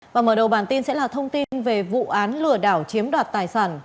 và mở đầu bản tin sẽ là thông tin về vụ án lừa đảo chiếm đoạt tài sản